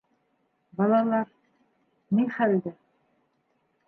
- Балалар... ни хәлдә?